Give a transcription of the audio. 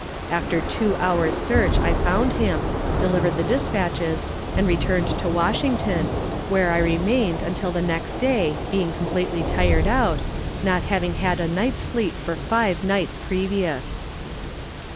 After two hours search I found him, delivered the despatches, and returned to Washington, where I remained until the next day, being completely tired out, not having had a night's sleep for five nights previous.